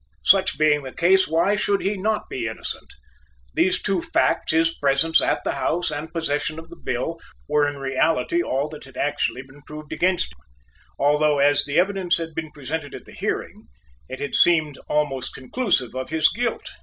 Such being the case why should he not be innocent? These two facts, his presences at the house and possession of the bill, were in reality all that had actually been proved against him, although as the evidence had been presented at the hearing, it had seemed almost conclusive of his guilt.